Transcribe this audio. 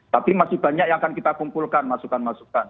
tapi masih banyak yang akan kita kumpulkan masukan masukan